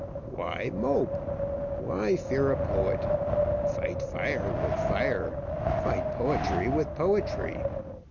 "Why mope? Why fear a poet? Fight fire with fire; fight poetry with poetry!